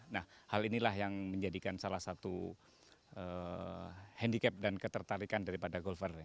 nah hal inilah yang menjadikan salah satu handicap dan ketertarikan daripada golfer